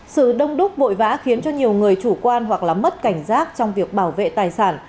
sự đông đúc vội vã khiến cho nhiều người chủ quan hoặc là mất cảnh giác trong việc bảo vệ tài sản